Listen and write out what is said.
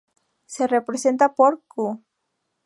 Se representa por "q".